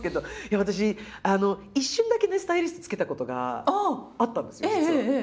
私一瞬だけねスタイリストつけたことがあったんですよ実は。